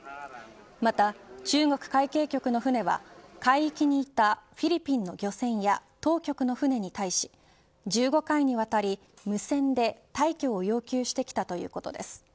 また、中国海警局の船は海域にいたフィリピンの漁船や当局の船に対し１５回にわたり無線で退去を要求してきたということです。